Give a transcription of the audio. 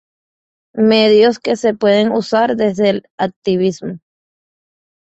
medios que se pueden usar desde el activismo